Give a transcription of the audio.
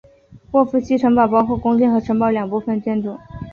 沃夫西城堡包括宫殿和城堡两部分建筑。